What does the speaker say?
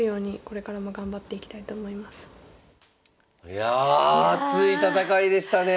いや熱い戦いでしたね。